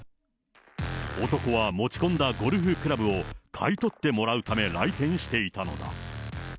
男は持ち込んだゴルフクラブを買い取ってもらうため来店していたのだ。